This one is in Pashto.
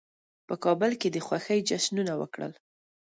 په کابل کې د خوښۍ جشنونه وکړل.